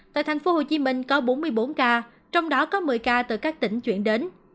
tại thành phố hồ chí minh có bốn mươi bốn ca trong đó có một mươi ca từ các tỉnh chuyển đến